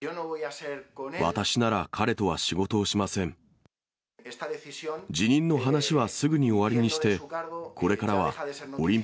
私なら彼とは仕事をしません。